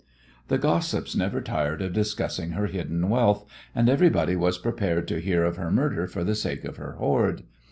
The gossips never tired of discussing her hidden wealth, and everybody was prepared to hear of her murder for the sake of her hoard.